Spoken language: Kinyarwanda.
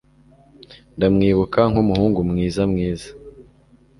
Ndamwibuka nkumuhungu mwiza, mwiza.